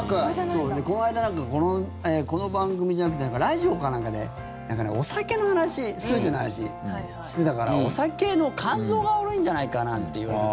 この間、この番組じゃなくてラジオかなんかでお酒の話、数値の話してたからお酒の肝臓が悪いんじゃないかなんて言われて。